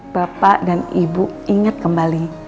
bapak dan ibu ingat kembali